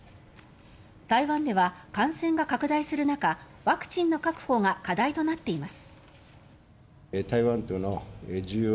台湾では感染が拡大する中ワクチンの確保が課題となっています。